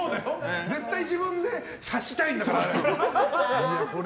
絶対自分で刺したいんだから。